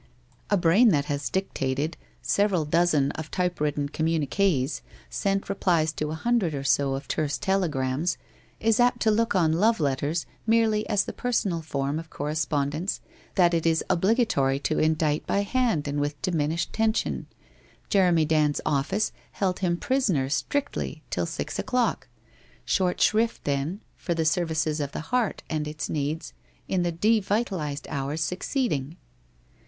A brain that has 11 162 WHITE ROSE OF WEARY LEAF. dictated several dozen of typewritten communiques, sent replies to a hundred or so of terse telegrams, is apt to look on love letters merely as the personal form of correspond ence that it is obligatory to indict by hand and with diminished tension. Jeremy Dand's office held him pris oner strictly till six o'clock. Short shrift then for the services of the heart, and its needs, in the devitalized hours succeeding.